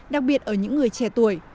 đặc biệt ở những người trẻ tuổi